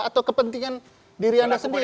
atau kepentingan diri anda sendiri